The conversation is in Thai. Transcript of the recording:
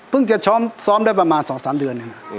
จะซ้อมได้ประมาณ๒๓เดือน